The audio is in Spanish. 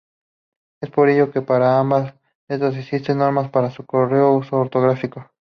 Es por ello que para ambas letras existen normas para su correcto uso ortográfico.